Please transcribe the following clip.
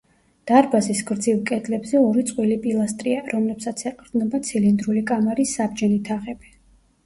დარბაზის გრძივ კედლებზე ორი წყვილი პილასტრია, რომლებსაც ეყრდნობა ცილინდრული კამარის საბჯენი თაღები.